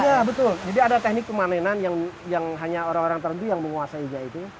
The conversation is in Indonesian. ya betul jadi ada teknik pemanenan yang hanya orang orang terdua yang menguasainya itu